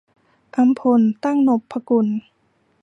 อำพล ตั้งนพกุล